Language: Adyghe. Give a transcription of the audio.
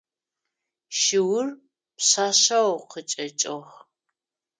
Шыур пшъашъэу къычӏэкӏыгъ.